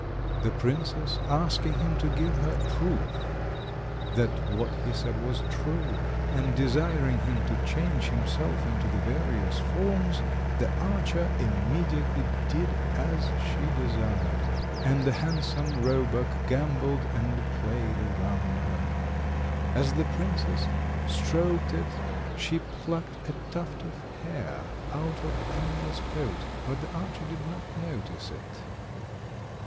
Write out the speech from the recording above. The princess, asking him to give her proof that what he said was true, and desiring him to change himself into the various forms, the archer immediately did as she desired, and a handsome roebuck gambolled and played around her. As the princess stroked it she plucked a tuft of hair out of the animal's coat, but the archer did not notice it.